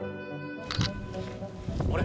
あれ？